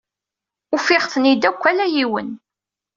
Ufiɣ-ten-id akk, ala yiwen.